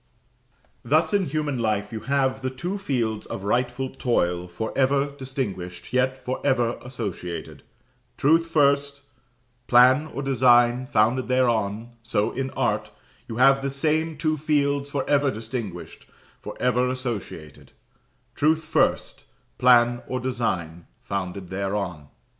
Thus in human life you have the two fields of rightful toil for ever distinguished, yet for ever associated; Truth first plan or design, founded thereon; so in art, you have the same two fields for ever distinguished, for ever associated; Truth first plan, or design, founded thereon.